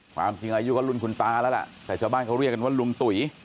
ความจริงอายุก็รุ่นคุณตาแล้วล่ะแต่ชาวบ้านเขาเรียกกันว่าลุงตุ๋ย